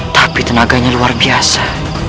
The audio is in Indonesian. tapi tenaganya luar biasa